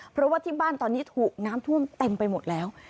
เพราะว่าที่บ้านตอนนี้ถูกน้ำท่วมเต็มไปหมดแล้ว